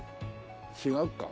違うか。